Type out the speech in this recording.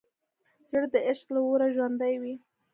زړه د عشق له اوره ژوندی وي.